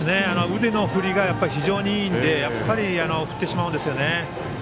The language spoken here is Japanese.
腕の振りが非常にいいので振ってしまうんですよね。